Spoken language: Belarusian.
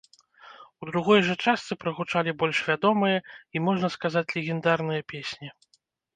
У другой жа частцы прагучалі больш вядомыя і можна сказаць легендарныя песні.